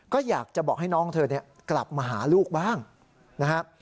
ก็อยากจะบอกให้น้องเธอกลับมาหาลูกบ้างนะครับ